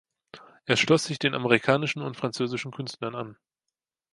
Er schloss sich den amerikanischen und französischen Künstlern an.